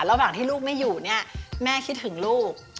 ระหว่างที่ลูกไม่อยู่เนี่ยแม่คิดถึงลูก